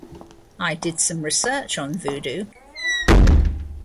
I did some research on voodoo.